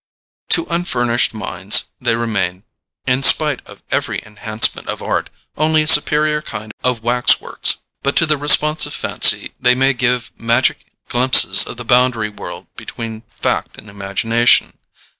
To unfurnished minds they remain, in spite of every enhancement of art, only a superior kind of wax works; but to the responsive fancy they may give magic glimpses of the boundary world between fact and imagination.